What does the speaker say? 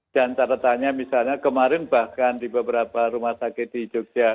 dan caranya misalnya kemarin bahkan di beberapa rumah sakit di jogja